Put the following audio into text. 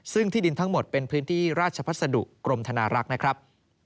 ซึ่งที่ดินทั้งหมดเป็นพื้นที่ราชพัสดุกรมธนารักษ์นะครับ